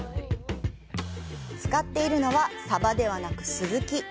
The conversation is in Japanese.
使っているのはサバではなくスズキ。